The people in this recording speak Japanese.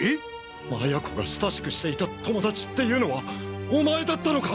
麻也子が親しくしていた友だちっていうのはお前だったのか！